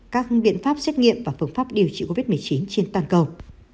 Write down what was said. các biện pháp xét nghiệm và phương pháp điều trị covid một mươi chín trên toàn cầu